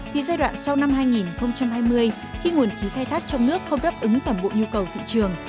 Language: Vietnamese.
thì giai đoạn sau năm hai nghìn hai mươi khi nguồn khí khai thác trong nước không đáp ứng tầm bộ nhu cầu thị trường